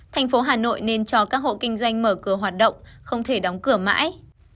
thành phố hà nội nên cho các hộ kinh doanh mở cửa hoạt động không thể đóng cửa mãi